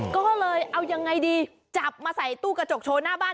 ก็เลยเอายังไงดีจับมาใส่ตู้กระจกโชว์หน้าบ้าน